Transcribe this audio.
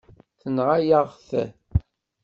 Tenɣa-yaɣ-t.